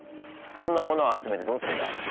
そんなものを集めてどうすんだ？